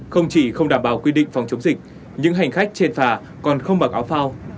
không chỉ không đảm bảo quy định phòng chống dịch những hành khách trên phà còn không báo cáo phao